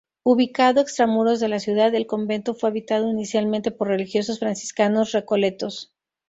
Ubicado extramuros de la ciudad, el Convento fue habitado inicialmente por religiosos Franciscanos Recoletos.